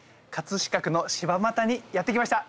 飾区の柴又にやって来ました。